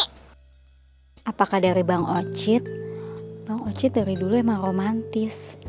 apakah dari bang ocit bang ocit dari dulu emang romantis